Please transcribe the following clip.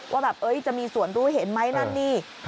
ว่าจะมีสวนรู้เห็นมั้ยตอนนี้